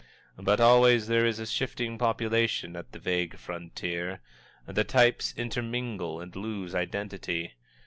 But always there is a shifting population at the vague frontier the types intermingle and lose identity.